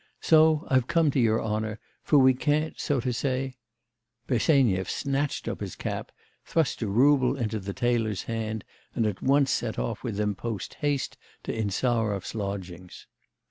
So I've come to your honour, for we can't, so to say ' Bersenyev snatched up his cap, thrust a rouble into the tailor's hand, and at once set off with him post haste to Insarov's lodgings.